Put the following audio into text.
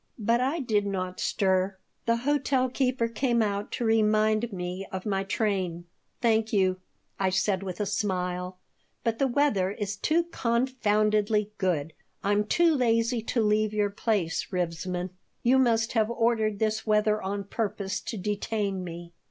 But I did not stir The hotel keeper came out to remind me of my train "Thank you," I said, with a smile. "But the weather is too confoundedly good. I'm too lazy to leave your place, Rivesman. You must have ordered this weather on purpose to detain me."